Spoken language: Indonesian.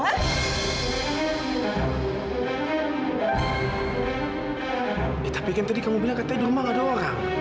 eh tapi kan tadi kamu bilang katanya di rumah gak ada orang